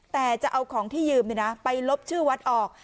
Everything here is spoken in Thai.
แต่จะเอาของที่ยืมไปลบชื่อวัดออก